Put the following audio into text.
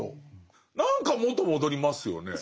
何か元戻りますよね。